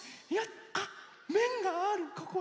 あっめんがあるここに。